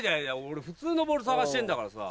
俺普通のボール捜してるんだからさ。